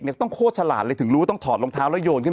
ต้องโคตรฉลาดเลยถึงรู้ว่าต้องถอดรองเท้าแล้วโยนขึ้น